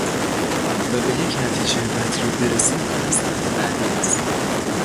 و به یک نتیجه مطلوب برسیم کار سخت بعدی است.